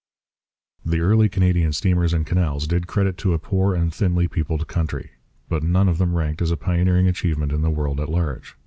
The early Canadian steamers and canals did credit to a poor and thinly peopled country. But none of them ranked as a pioneering achievement in the world at large.